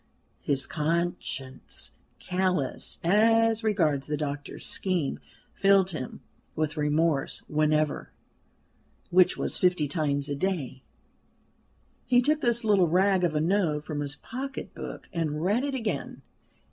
His conscience, callous as regards the doctor's scheme, filled him with remorse whenever which was fifty times a day he took this little rag of a note from his pocket book and read it again.